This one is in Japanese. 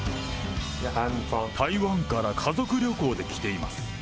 台湾から家族旅行で来ています。